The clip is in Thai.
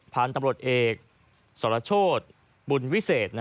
พาลตำรวจเอกสรชดบุญวิเศษ